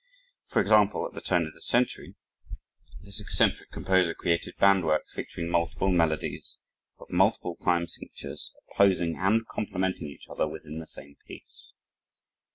For example, at the turn of the century, this eccentric composer created band works featuring multiple melodies of multiple time signatures opposing and complimenting each other within the same piece.